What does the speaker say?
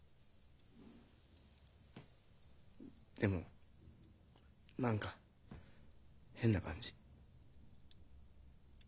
でも何か変な感じ。